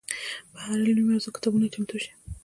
په هره علمي موضوع کتابونه چمتو شي.